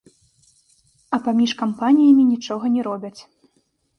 А паміж кампаніямі нічога не робяць!